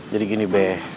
jadi gini be